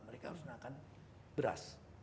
mereka harus makan beras